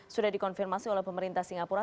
sudah dikonfirmasi oleh pemerintah singapura